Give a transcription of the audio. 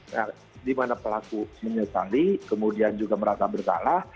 nah di mana pelaku menyesali kemudian juga merasa bersalah